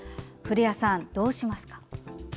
古谷さん、どうしますか？